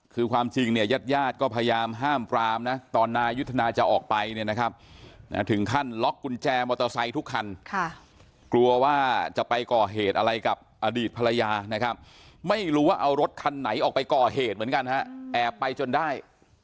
คือความจริงเนี่ยญาติญาติก็พยายามห้ามปรามนะตอนนายุทธนาจะออกไปเนี่ยนะครับถึงขั้นล็อกกุญแจมอเตอร์ไซค์ทุกคันกลัวว่าจะไปก่อเหตุอะไรกับอดีตภรรยานะครับไม่รู้ว่าเอารถคันไหนออกไปก่อเหตุเหมือนกันฮะแอบไปจนได้